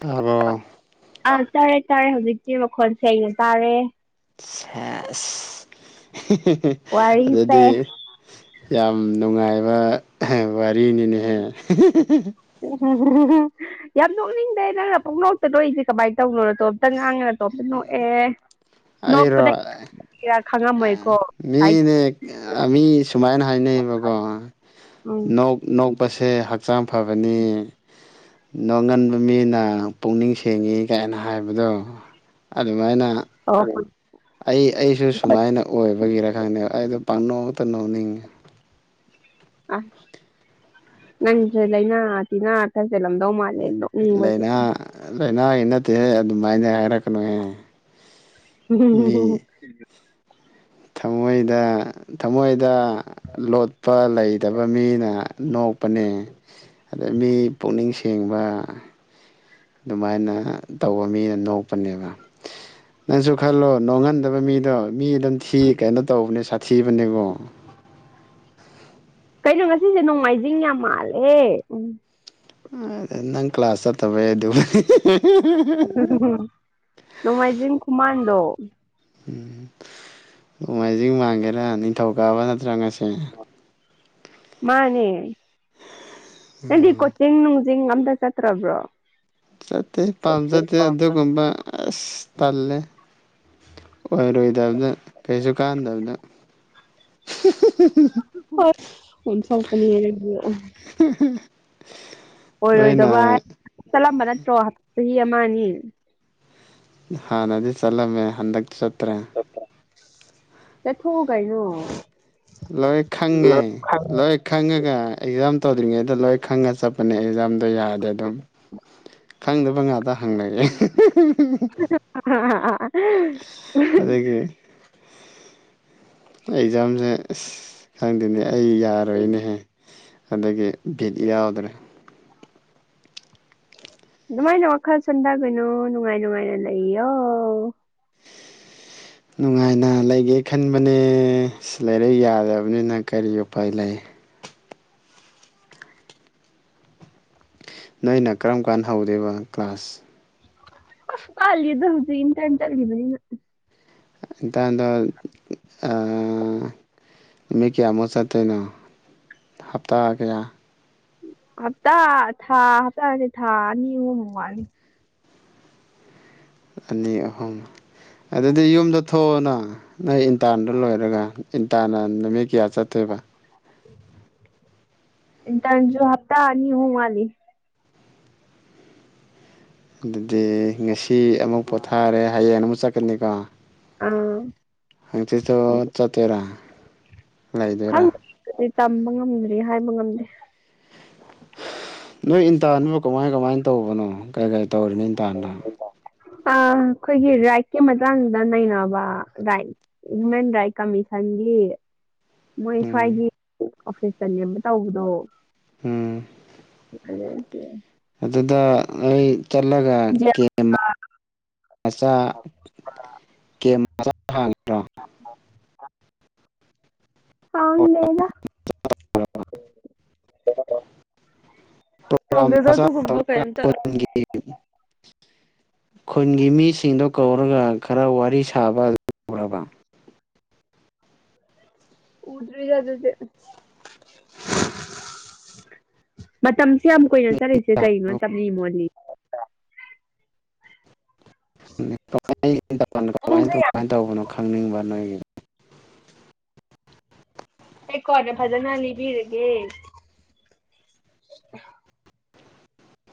ꯇꯥꯕ꯭ꯔꯣ ꯑꯥ ꯇꯥꯔꯦ ꯇꯥꯔꯦ ꯍꯧꯖꯤꯛꯇꯤ ꯃꯈꯣꯜ ꯁꯦꯡꯅ ꯇꯥꯔꯦ ꯁꯦꯁ ꯍꯤꯍꯤ ꯋꯥꯔꯤꯁꯦ ꯑꯗꯨꯗꯤ ꯌꯥꯝ ꯅꯨꯡꯉꯥꯏ ꯍꯦ ꯋꯥꯔꯤꯅꯤꯅꯦꯍꯦ ꯎꯤꯍꯤꯍꯤ ꯌꯥꯝ ꯅꯣꯛꯅꯤꯡꯗꯦ ꯅꯪꯅ ꯄꯣꯛꯅꯣꯛꯇ ꯅꯣꯛꯏꯁꯦ ꯀꯃꯥꯏ ꯇꯧꯕꯅꯣ ꯅꯇꯣꯝꯇ ꯉꯥꯡꯉ ꯇꯣꯝꯗ ꯅꯣꯛꯑꯦ ꯅꯣꯛꯄꯗ ꯌꯥ ꯑꯥ ꯃꯤꯅꯦ ꯑꯥ ꯃꯤ ꯁꯨꯃꯥꯏꯅ ꯍꯥꯏꯅꯌꯦꯕꯀꯣ ꯎꯝ ꯅꯣꯛ ꯅꯣꯛꯄꯁꯦ ꯍꯛꯆꯥꯡ ꯐꯕꯅꯦ ꯅꯣꯡꯒꯟꯕ ꯃꯤꯅ ꯄꯨꯛꯅꯤꯡ ꯁꯦꯡꯉꯤ ꯀꯥꯏꯅ ꯍꯥꯏꯕꯗꯣ ꯑꯗꯨꯃꯥꯏꯅ ꯑꯣ ꯑꯩ ꯑꯩꯁꯨ ꯁꯨꯃꯥꯏꯅ ꯑꯣꯏꯕꯒꯤꯔ ꯈꯪꯗꯦ ꯑꯩꯗꯣ ꯄꯪꯅꯣꯛ ꯇ ꯅꯣꯅꯤꯡꯉꯦ ꯑꯁ ꯅꯪꯁꯨ ꯂꯩꯅꯥ ꯇꯤꯅ ꯆꯪ ꯍꯦꯂꯝꯗꯨ ꯃꯥꯂꯦ ꯑꯩ ꯅꯣꯛꯅꯤꯡꯕꯒꯤ ꯂꯥꯏꯅꯥ ꯂꯥꯏꯅꯥꯒꯤ ꯅꯠꯇꯦꯍꯦ ꯑꯗꯨꯃꯥꯏꯅ ꯍꯥꯏꯔꯛꯀꯅꯣꯍꯦ [unintelligible] ꯊꯝꯃꯣꯏꯗ ꯊꯝꯃꯣꯏꯗ ꯂꯣꯠꯄ ꯂꯩꯇꯕ ꯃꯤꯅ ꯅꯣꯛꯄꯅꯦ ꯑꯗ ꯃꯤ ꯄꯨꯛꯅꯤꯡ ꯁꯦꯡꯕ ꯑꯗꯨꯃꯥꯏꯅ ꯇꯧꯕ ꯃꯤꯅ ꯅꯣꯛꯄꯅꯦꯕ ꯅꯪꯁꯨ ꯈꯜꯂꯣ ꯅꯣꯡꯍꯟꯗꯕ ꯃꯤꯗꯣ ꯃꯤ ꯑꯗꯨꯝ ꯊꯤ ꯀꯩꯅꯣ ꯇꯧꯕꯅꯦ ꯁꯥꯊꯤꯕꯅꯦꯀꯣ [inaudible] ꯀꯩꯅꯣ ꯉꯁꯤꯁꯦ ꯅꯣꯡꯃꯥꯏꯖꯤꯡ ꯌꯥꯝ ꯃꯥꯜꯂꯦ ꯎꯝ ꯑꯥ ꯅꯪ ꯀ꯭ꯂꯥꯁ ꯆꯠ ꯇꯕꯩ ꯑꯗꯨ ꯍꯦꯍꯦꯍꯦ ꯅꯣꯡꯃꯥꯏꯖꯤꯡ ꯈꯨꯃꯥꯟꯗꯣ ꯅꯣꯡꯃꯥꯏꯖꯤꯡ ꯃꯥꯡꯒꯦꯔꯥ ꯅꯤꯡꯊꯧ ꯀꯥꯕ ꯅꯠꯇ꯭ꯔꯥ ꯉꯁꯤ ꯃꯥꯅꯦ ꯅꯪꯗꯤ ꯀꯣꯆꯤꯡ ꯅꯨꯡꯖꯤꯡ ꯑꯝ ꯇ ꯆꯠꯇ꯭ꯔꯕ꯭ꯔꯣ ꯆꯠꯇꯦ ꯄꯥꯝꯖꯗꯦ ꯑꯗꯨꯒꯨꯝꯕ ꯑꯁ ꯇꯜꯂꯦ ꯑꯣꯏꯔꯣꯏꯗꯕꯗ ꯀꯩꯁꯨ ꯀꯥꯟꯅꯗꯕꯗ ꯑꯁ ꯑꯣꯟꯊꯣꯛꯄꯅꯤꯍꯦ ꯅꯪꯁꯨ [inaudible] ꯅꯣꯏꯅ ꯑꯣꯏꯔꯣꯏꯗꯕ ꯍꯥꯏ ꯆꯠꯂꯝꯕ ꯅꯠꯇ꯭ꯔꯣ ꯆꯍꯤ ꯑꯃ ꯑꯅꯤ ꯍꯥꯟꯅꯗꯤ ꯆꯠꯂꯝꯃꯦ ꯍꯟꯗꯛ ꯆꯠꯇ꯭ꯔꯦ ꯆꯠꯊꯣꯛꯑꯣ ꯀꯩꯅꯣ ꯂꯣꯏ ꯈꯪꯉꯦ ꯂꯣꯏ ꯈꯪꯉꯒ ꯑꯦꯛꯖꯥꯝ ꯇꯧꯗ꯭ꯔꯤꯉꯩꯗ ꯂꯣꯏ ꯈꯪꯉꯒ ꯆꯠꯄꯅꯦ ꯑꯦꯛꯖꯥꯝꯗꯣ ꯌꯥꯗꯦ ꯑꯗꯨꯝ ꯈꯪꯗꯕ ꯉꯥꯛꯇ ꯍꯪꯂꯛꯑꯦ ꯑꯍꯤ ꯑꯍꯤ ꯑꯗꯨꯒꯤ ꯑꯩꯖꯥꯝꯖꯦ ꯑꯁ ꯈꯪꯗꯦꯅꯦ ꯑꯩ ꯌꯥꯔꯣꯏꯅꯦꯍꯦ ꯑꯗꯨꯒꯤ ꯕꯤꯠ ꯌꯥꯎꯗ꯭ꯔꯦ ꯑꯗꯨꯃꯥꯏꯅ ꯋꯥꯈꯜ ꯁꯣꯟꯊꯒꯤꯅꯨ ꯅꯨꯡꯉꯥꯏ ꯅꯨꯡꯉꯥꯏꯅ ꯂꯩꯌꯣ ꯅꯨꯡꯉꯥꯏꯅ ꯂꯩꯒꯦ ꯈꯟꯕꯅꯦ ꯑꯁ ꯂꯥꯏꯔꯤꯛ ꯌꯥꯗꯕꯅꯤꯅ ꯀꯔꯤ ꯎꯄꯥꯏ ꯂꯩ ꯅꯣꯏꯅ ꯀꯔꯝ ꯀꯥꯟ ꯍꯧꯗꯧꯕ ꯀ꯭ꯂꯥꯁ ꯑꯁ ꯋꯥꯠꯂꯤꯗ ꯍꯧꯖꯤꯛ ꯏꯟꯇ꯭ꯔꯟ ꯆꯠꯂꯤꯕꯅꯤꯅ ꯏꯟꯇ꯭ꯔꯟꯗꯣ ꯑ ꯅꯨꯃꯤꯠ ꯀꯌꯥ ꯃꯨꯛ ꯆꯠꯇꯨꯏꯅꯣ ꯍꯞꯇꯥ ꯀꯌꯥ ꯍꯞꯇꯥ ꯊꯥ ꯍꯞꯇꯥ ꯅꯠꯇꯦ ꯊꯥ ꯑꯅꯤ ꯑꯍꯨꯝꯃꯨꯛ ꯋꯥꯠꯂꯤ ꯑꯅꯤ ꯑꯍꯨꯝ ꯑꯗꯨꯗꯤ ꯌꯨꯝꯗ ꯊꯣꯛꯑꯣꯅ ꯅꯣꯏ ꯏꯟꯇ꯭ꯔꯟꯗꯣ ꯂꯣꯏꯔꯒ ꯏꯟꯇ꯭ꯥꯔꯟꯅ ꯅꯨꯃꯤꯠ ꯀꯌꯥ ꯆꯠꯇꯣꯏ ꯕ ꯏꯟꯇ꯭ꯔꯟꯖꯨ ꯍꯥꯞꯇꯥ ꯑꯅꯤ ꯑꯍꯨꯝ ꯋꯥꯠꯂꯤ ꯑꯗꯨꯗꯤ ꯉꯁꯤ ꯑꯃꯨꯛ ꯄꯣꯊꯥꯔꯦ ꯍꯌꯦꯡ ꯑꯃꯨꯛ ꯆꯠꯀꯅꯤꯀꯣ ꯑꯥ ꯍꯥꯡꯆꯤꯠꯇꯣ ꯆꯠꯇꯣꯏꯔ ꯂꯩꯗꯣꯏꯔꯥ ꯈꯪꯗ꯭ꯔꯤ ꯇꯝꯕ ꯉꯝꯗ꯭ꯔꯤ ꯍꯥꯏꯕ ꯉꯝꯗꯦ ꯅꯣꯏ ꯏꯟꯇꯥ꯭ꯔꯟꯕꯨ ꯀꯃꯥꯏ ꯀꯃꯥꯏꯅ ꯇꯧꯕꯅꯣ ꯀꯩ ꯀꯩ ꯇꯧꯔꯤꯅꯤ ꯗꯥꯟꯅ ꯑ ꯑꯩꯈꯣꯏꯒꯤ ꯔꯥꯏꯠꯀꯤ ꯃꯇꯥꯡꯗ ꯅꯩꯅꯕ ꯔꯥꯏꯠ ꯍ꯭ꯌꯨꯃꯦꯟ ꯔꯥꯏꯠ ꯀꯃꯤꯁꯟꯒꯤ ꯃꯣꯏ ꯎꯝ ꯁ꯭ꯋꯥꯏꯒꯤ ꯑꯣꯐꯤꯁꯇꯅꯦꯕ ꯇꯧꯕꯗꯣ ꯎꯝ [unintelligible] ꯑꯗꯨꯗ ꯑꯩ ꯆꯠꯂꯒ ꯒ꯭ꯌꯥꯟ ꯀꯦꯝ ꯃꯆꯥ ꯀꯦꯝ ꯃꯆꯥ ꯐꯥꯡꯗ꯭ꯔꯣ ꯐꯥꯡꯗꯦꯗ ꯄ꯭ꯔꯣꯒ꯭ꯔꯥꯝ ꯇꯧꯗꯦꯗ ꯃꯆꯥ ꯑꯗꯨꯒꯨꯝꯕ ꯇꯧꯔꯒ ꯀꯩꯌꯤꯝꯇ ꯈꯨꯟꯒꯤ ꯈꯨꯟꯒꯤ ꯃꯤꯁꯤꯡꯗꯣ ꯀꯧꯔꯒ ꯈꯔ ꯋꯥꯔꯤ ꯁꯥꯕ ꯎꯔꯕ꯭ꯔꯥ ꯎꯗ꯭ꯔꯤꯗ ꯑꯗꯨꯗꯤ ꯃꯇꯝ ꯑꯁꯨꯛꯌꯥꯝ ꯀꯨꯏꯅ ꯆꯠꯂꯤꯁꯦ ꯀꯩꯒꯤꯅꯣ ꯇꯞꯂꯤ ꯃꯣꯜꯂꯤ [inaudible] ꯀꯃꯥꯏ ꯀꯃꯥꯏ ꯄꯨꯡꯁꯦ ꯌꯥꯝ ꯀꯃꯥꯏꯅ ꯇꯧꯕꯅꯣ ꯈꯪꯅꯤꯡꯕ ꯅꯣꯏꯒꯤꯗꯣ ꯑꯩ ꯀꯣꯟꯅ ꯐꯖꯅ ꯂꯤꯕꯤꯔꯒꯦ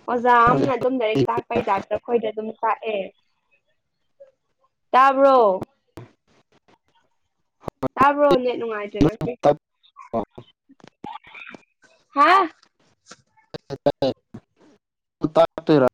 ꯑꯣꯖꯥ ꯑꯃꯅ ꯑꯗꯨꯝ ꯂꯥꯏꯔꯤꯛ ꯇꯥꯛꯄꯩ ꯇꯥꯏꯄꯇ ꯑꯩꯈꯣꯏꯗ ꯑꯗꯨꯝ ꯇꯥꯛꯑꯦ ꯇꯥꯕ꯭ꯔꯣ ꯇꯥꯕ꯭ꯔꯣ ꯅꯦꯠ ꯅꯨꯡꯉꯥꯏꯇ꯭ꯔꯦ ꯉꯁꯤ ꯍꯥ [unintelligible] ꯇꯥꯛ ꯇꯨꯏꯔ